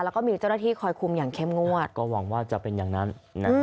แล้วก็มีเจ้าหน้าที่คอยคุมอย่างเข้มงวดก็หวังว่าจะเป็นอย่างนั้น